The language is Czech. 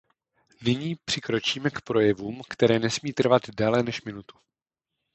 Nyní přikročíme k projevům, které nesmí trvat déle než minutu.